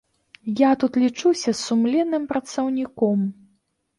Я тут лічуся сумленным працаўніком.